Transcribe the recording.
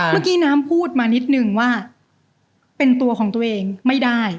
เมื่อกี้น้ำพูดมานิดนึงว่าเป็นตัวของตัวเองไม่ได้